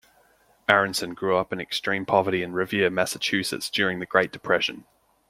Aronson grew up in extreme poverty in Revere, Massachusetts, during the Great Depression.